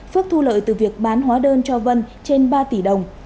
phước thu lợi từ việc bán hóa đơn cho vân trên ba tỷ đồng